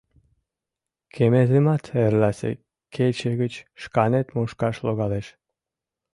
— Кеметымат эрласе кече гыч шканет мушкаш логалеш.